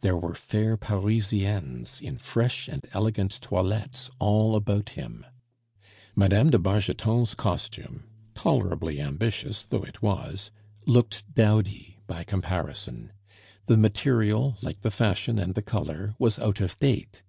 There were fair Parisiennes in fresh and elegant toilettes all about him; Mme. de Bargeton's costume, tolerably ambitious though it was, looked dowdy by comparison; the material, like the fashion and the color, was out of date.